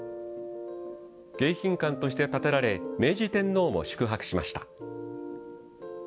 迎賓館として建てられ明治天皇も宿泊しました。